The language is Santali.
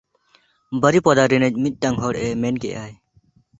ᱵᱟᱨᱤᱯᱚᱫᱟ ᱨᱤᱱᱤᱡ ᱢᱤᱫᱴᱟᱹᱝ ᱦᱚᱲ ᱮ ᱢᱮᱱ ᱠᱮᱜᱼᱟᱭ ᱾